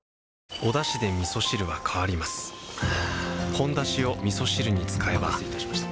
「ほんだし」をみそ汁に使えばお待たせいたしました。